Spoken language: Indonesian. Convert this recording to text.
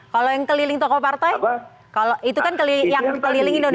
kalau yang keliling tokoh partai